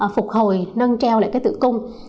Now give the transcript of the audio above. phục hồi nâng treo lại cái tử cung